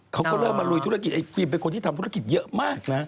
เขาก็เริ่มมาลุยธุรกิจไอฟิล์มเป็นคนที่ทำธุรกิจเยอะมากนะ